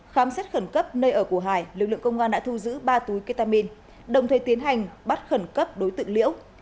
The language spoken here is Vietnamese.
khám xét khẩn cấp nơi ở của hải lực lượng công an đã thu giữ ba túi ketamine đồng thời tiến hành bắt khẩn cấp đối tượng liễu